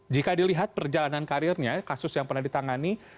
jika dilihat perjalanan karirnya kasus yang pernah ditangani